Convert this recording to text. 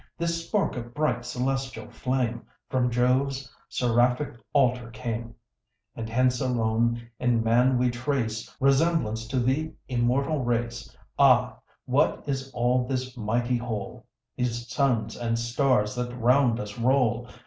This spark of bright, celestial flame, From Jove's seraphic altar came, And hence alone in man we trace, Resemblance to the immortal race. Ah! what is all this mighty whole, These suns and stars that round us roll!